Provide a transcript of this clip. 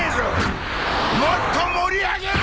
もっと盛り上げろ！